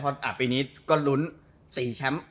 เพราะปีนี้ก็ลุ้น๔แชมป์